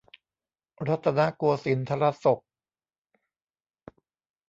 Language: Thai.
รัตนโกสินทรศก